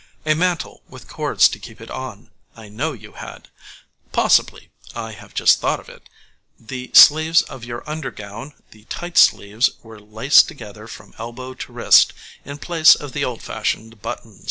A mantle, with cords to keep it on, I know you had. Possibly I have just thought of it the sleeves of your under gown, the tight sleeves, were laced together from elbow to wrist, in place of the old fashioned buttons.